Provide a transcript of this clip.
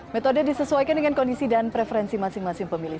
metode disesuaikan dengan kondisi dan preferensi masing masing pemilih